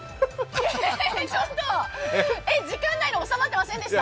えーちょっと時間内に収まってませんでした？